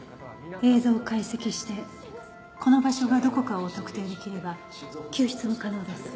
映像を解析してこの場所がどこかを特定できれば救出も可能です。